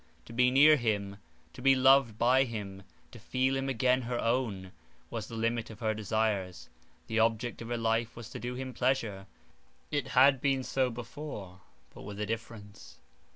To be near him, to be loved by him, to feel him again her own, was the limit of her desires. The object of her life was to do him pleasure: it had been so before, but with a difference.